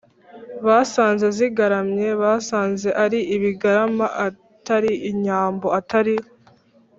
basanze zigaramye: basanze ari ibigarama; atari inyambo; atari